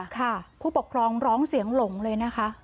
ผู้ปกครองร้องเสียงหลงเลยนะคะ